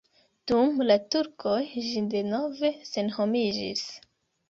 Dum la turkoj ĝi denove senhomiĝis.